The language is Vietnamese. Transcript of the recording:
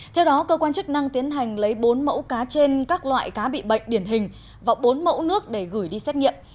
theo đó cơ quan chức năng tiến hành lấy bốn mẫu cá trên các loại cá bị bệnh điển hình và bốn mẫu nước để gửi đi xét nghiệm